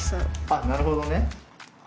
あっなるほどね。